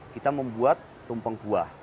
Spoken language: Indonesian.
kita membuat tumpeng buah